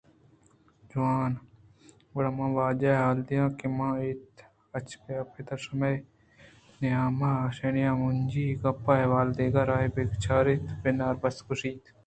جوان! گُڑا من واجہ ءَ حال دیاں کہ منءَ اچ ابید شمئے نیامجی ءَ گپ ءُاحوال ءِ دگہ راہے بہ چاریت بناربس ءَگوٛشت